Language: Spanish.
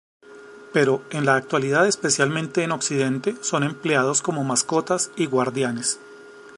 Pero en la actualidad, especialmente en Occidente, son empleados como mascotas y guardianes.